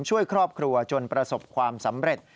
ช่วยครอบครัวจนประสบความสำเร็จ